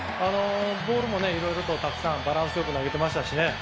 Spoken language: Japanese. ボールもいろいろバランス良く投げていましたしね。